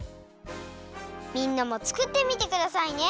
みんなもつくってみてくださいね。